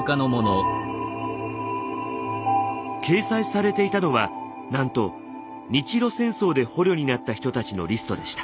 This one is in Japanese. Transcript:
掲載されていたのはなんと日露戦争で捕虜になった人たちのリストでした。